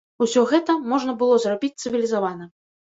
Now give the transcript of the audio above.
Усё гэта можна было зрабіць цывілізавана.